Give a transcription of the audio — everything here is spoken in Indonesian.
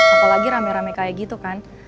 apalagi rame rame kayak gitu kan